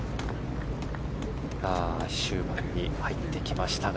終盤に入ってきましたが